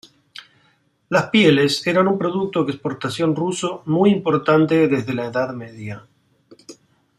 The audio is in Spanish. Las pieles eran un producto de exportación ruso muy importante desde la edad media.